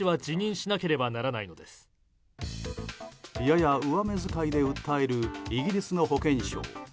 やや上目遣いで訴えるイギリスの保健相。